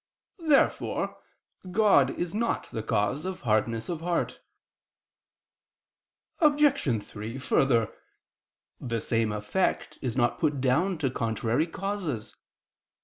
Therefore God is not the cause of hardness of heart. Obj. 3: Further, the same effect is not put down to contrary causes.